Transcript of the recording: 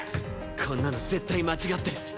こんなの絶対間違ってる。